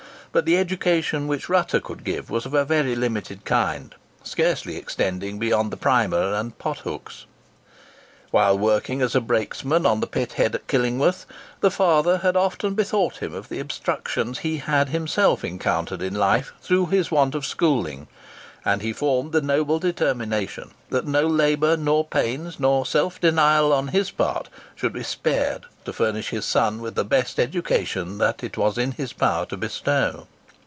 But the education which Rutter could give was of a very limited kind, scarcely extending beyond the primer and pothooks. While working as a brakesman on the pit head at Killingworth, the father had often bethought him of the obstructions he had himself encountered in life through his want of schooling; and he formed the noble determination that no labour, nor pains, nor self denial on his part should be spared to furnish his son with the best education that it was in his power to bestow.